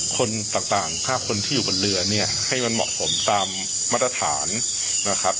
คนต่างถ้าคนที่อยู่บนเรือเนี่ยให้มันเหมาะสมตามมาตรฐานนะครับ